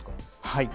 はい。